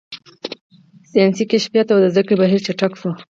ساینسي کشفیات او د زده کړې بهیر چټک شو.